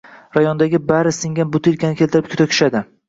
Rayondagi bari singan butilkani keltirib to‘kishadi.